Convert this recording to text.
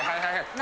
何？